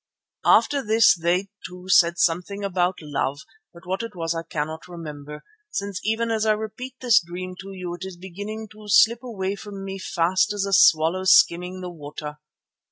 "After this they, too, said something about Love, but what it was I cannot remember, since even as I repeat this dream to you it is beginning to slip away from me fast as a swallow skimming the water.